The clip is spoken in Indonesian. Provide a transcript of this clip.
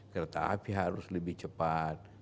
kereta api harus lebih cepat